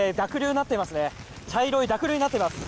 茶色い濁流となっています。